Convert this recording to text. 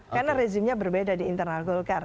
karena rezimnya berbeda di internal golkar